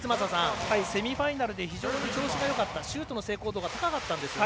セミファイナルで調子がよかったシュートの成功度が高かったんですね。